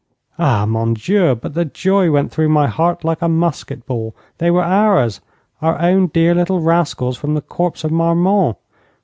Ah, mon Dieu, but the joy went through my heart like a musket ball. They were ours our own dear little rascals from the corps of Marmont.